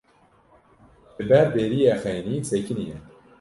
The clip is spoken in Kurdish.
Li ber deriyê xênî sekiniye.